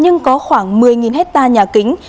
nhưng có khoảng một mươi hectare nhà kính